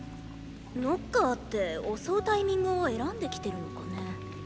ノッカーって襲うタイミングを選んで来てるのかね？